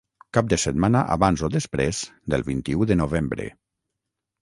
Cap de setmana abans o després del vint-i-u de novembre.